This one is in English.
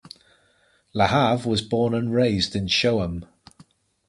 Lahav was born and raised in Shoham.